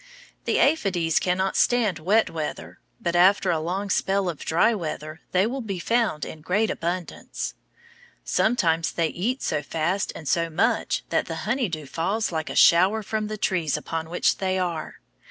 The aphides cannot stand wet weather, but after a long spell of dry weather they will be found in great abundance. Sometimes they eat so fast and so much that the honey dew falls like a shower from the trees upon which they are.